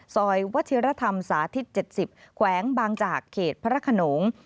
วัชิรธรรมสาธิต๗๐แขวงบางจากเขตพระขนง